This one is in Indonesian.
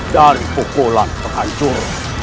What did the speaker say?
dari pukulan terhancur